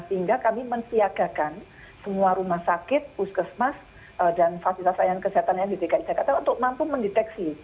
sehingga kami mensiagakan semua rumah sakit puskesmas dan fasilitas layanan kesehatan yang di dki jakarta untuk mampu mendeteksi